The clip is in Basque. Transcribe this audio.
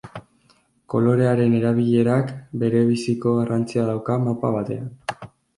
Kolorearen erabilerak berebiziko garrantzia dauka mapa batean.